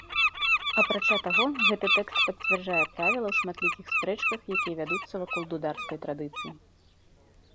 Апрача таго, гэты тэкст пацвярджае правіла ў шматлікіх спрэчках, якія вядуцца вакол дударскай традыцыі.